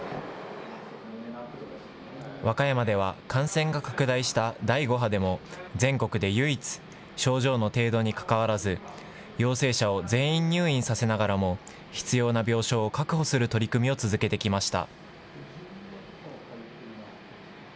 和歌山では、感染が拡大した第５波でも、全国で唯一、症状の程度にかかわらず、陽性者を全員入院させながらも、必要な病床を確保する取り組みを続けてきました。